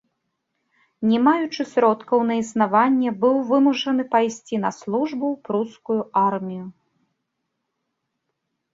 Не маючы сродкаў на існаванне, быў вымушаны пайсці на службу ў прускую армію.